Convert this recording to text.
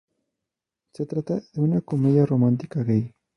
Se trata de una comedia romántica gay.